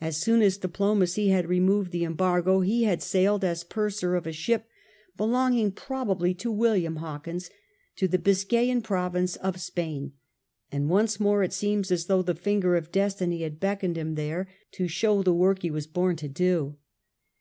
As soon as diplomacy had removed the embargo he had sailed as purser of a ship, belonging probably to William Hawkins, to the Biscayan province of Spain, and once more it seems as though the finger of Destiny had beckoned him there to 8 S/I^ FRANCIS DRAKE chap. show the work he was bom to do.